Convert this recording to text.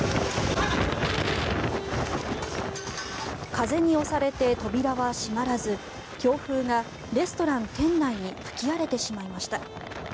風に押されて扉は閉まらず強風がレストラン店内に吹き荒れてしまいました。